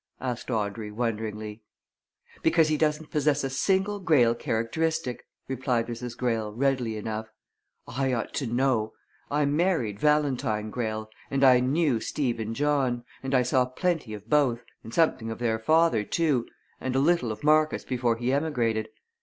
asked Audrey, wonderingly. "Because he doesn't possess a single Greyle characteristic," replied Mrs. Greyle, readily enough, "I ought to know I married Valentine Greyle, and I knew Stephen John, and I saw plenty of both, and something of their father, too, and a little of Marcus before he emigrated.